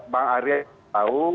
bang arya yang tahu